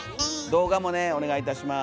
動画もねお願いいたします。